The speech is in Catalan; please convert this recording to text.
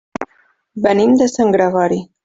Venim de Sant Gregori.